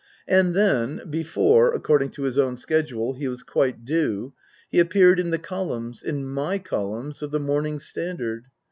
And then, before (according to his own schedule) he was quite due, he appeared in the columns (in my columns) of the Morning Standard.